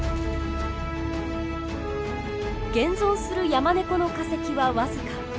現存するヤマネコの化石はわずか。